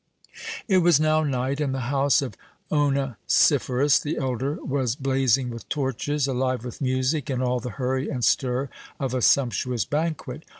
It was now night; and the house of Onesiphorus the Elder was blazing with torches, alive with music, and all the hurry and stir of a sumptuous banquet.